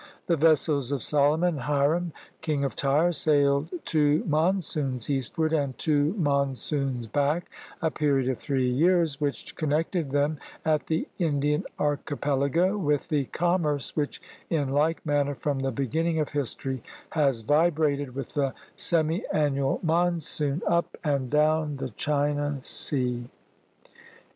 The vessels of Solomon and Hiram, King of Tyre, sailed two monsoons eastward and two monsoons back, — a period of three years, — which connected them at the Indian Archipelago with the commerce which in like manner from the beginning of history has vibrated with the semiannual monsoon up and down the China Sea.